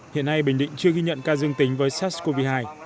hiện nay bình định chưa ghi nhận ca dương tính với sars cov hai